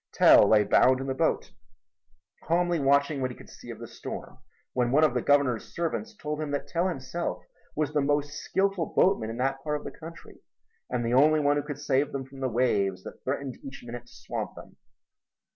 Tell lay bound in the boat, calmly watching what he could see of the storm, when one of the Governor's servants told him that Tell himself was the most skilful boatman in that part of the country and the only one who could save them from the waves that threatened each minute to swamp them.